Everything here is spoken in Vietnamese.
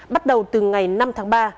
bắt đầu từ ngày năm tháng ba